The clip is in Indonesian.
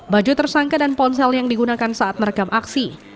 baju tersangka dan ponsel yang digunakan saat merekam aksi